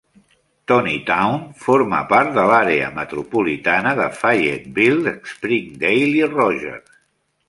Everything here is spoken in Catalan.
Tonitown forma part de l'àrea metropolitana de Fayetteville, Springdale i Rogers.